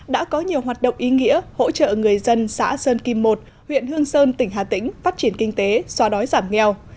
đã có nhiều hoạt động ý nghĩa hỗ trợ người dân xã sơn kim một huyện hương sơn tỉnh hà tĩnh phát triển kinh tế xóa đói giảm nghèo